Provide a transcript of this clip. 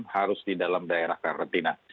harus di dalam daerah karantina